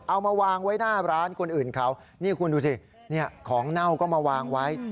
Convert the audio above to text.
เอามาวางไว้หน้าร้านคนอื่นเขานี่คุณดูสิของเน่าก็มาวางไว้